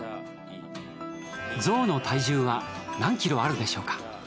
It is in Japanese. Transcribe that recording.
ゾウの体重は何キロあるでしょうか？